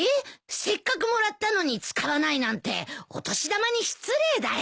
せっかくもらったのに使わないなんてお年玉に失礼だよ。